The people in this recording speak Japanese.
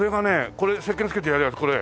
これせっけん付けてやるやつこれ。